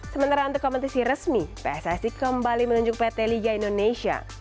sementara untuk kompetisi resmi pssi kembali menunjuk pt liga indonesia